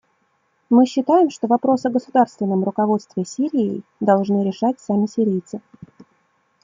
Мы считаем, что вопрос о государственном руководстве Сирией должны решать сами сирийцы.